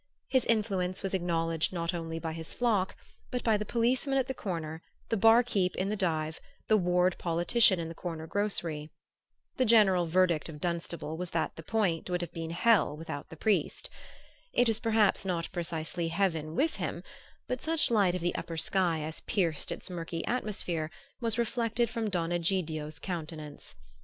His influence was acknowledged not only by his flock, but by the policeman at the corner, the "bar keep'" in the dive, the ward politician in the corner grocery. The general verdict of Dunstable was that the Point would have been hell without the priest. It was perhaps not precisely heaven with him; but such light of the upper sky as pierced its murky atmosphere was reflected from Don Egidio's countenance.